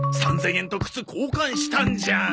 ３０００円と靴交換したんじゃん！